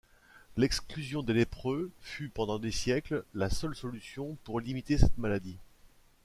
L'exclusion des lépreux fut pendant des siècles la seule solution pour limiter cette maladie.